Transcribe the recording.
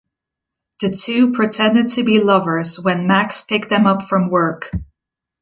The two pretended to be lovers when Max picked them up from work.